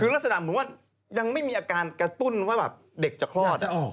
คือสถานภาษาธรรมยังไม่มีอาการกระตุ้นว่าเด็กจะครอด